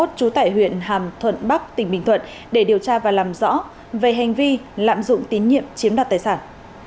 trú tại huyện hàm thuận bắc tỉnh bình thuận để điều tra và làm rõ về hành vi lạm dụng tín nhiệm chiếm đoạt tài sản